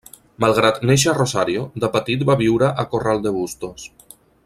Malgrat néixer a Rosario, de petit va viure a Corral de Bustos.